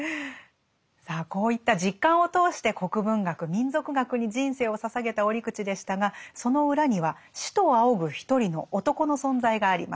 さあこういった実感を通して国文学民俗学に人生を捧げた折口でしたがその裏には師と仰ぐ一人の男の存在がありました。